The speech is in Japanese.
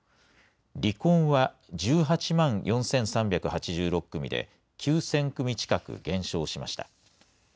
離婚は１８万４３８６組で、９０００組近く減少しました。